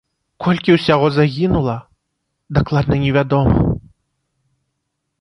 Колькі ўсяго загінула дакладна невядома.